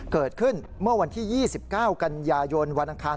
เกิดขึ้นเมื่อวันที่๒๙กันยายนวันอังคาร